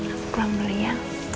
aku pulang mulai ya